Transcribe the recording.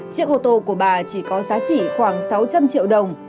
chiếc ô tô của bà chỉ có giá trị khoảng sáu trăm linh triệu đồng